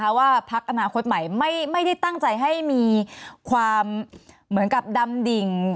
เพราะว่าพักอนาคตใหม่ไม่ได้ตั้งใจให้มีความเหมือนกับดำดิ่ง